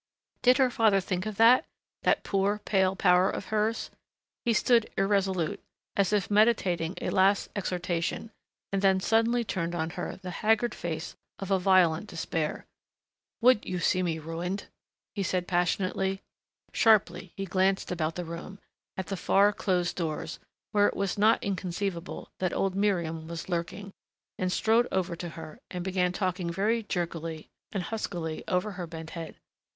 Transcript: Did her father think of that, that poor, pale power of hers? He stood irresolute, as if meditating a last exhortation, and then suddenly turned on her the haggard face of a violent despair. "Would you see me ruined?" he said passionately. Sharply he glanced about the room, at the far, closed doors where it was not inconceivable that old Miriam was lurking, and strode over to her and began talking very jerkily and huskily, over her bent head.